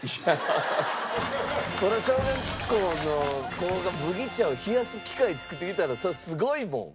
そりゃ小学校の子が麦茶を冷やす機械作ってきたらそりゃすごいもん。